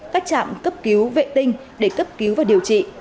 các trạm cấp cứu vệ tinh để cấp cứu và điều trị